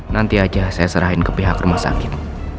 nanti aja saya serahin ke pihak rumah sakit